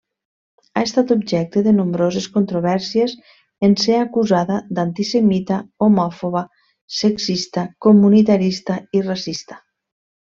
Ha estat objecte de nombroses controvèrsies en ser acusada d'antisemita, homòfoba, sexista, comunitarista i racista.